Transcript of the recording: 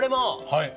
はい。